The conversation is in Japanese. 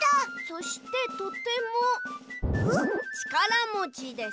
「そしてとてもちからもちです」。